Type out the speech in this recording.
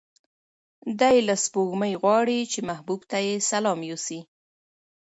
دی له سپوږمۍ غواړي چې محبوب ته یې سلام یوسي.